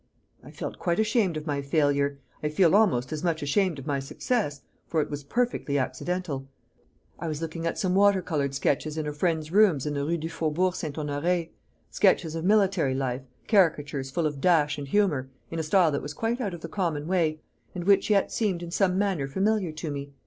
"I felt quite ashamed of my failure; I feel almost as much ashamed of my success; for it was perfectly accidental. I was looking at some water coloured sketches in a friend's rooms in the Rue du Faubourg St. Honoré sketches of military life, caricatures full of dash and humour, in a style that was quite out of the common way, and which yet seemed in some manner familiar to me.